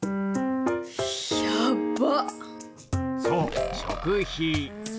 そう、食費。